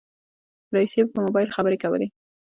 رئيسې په موبایل خبرې کولې.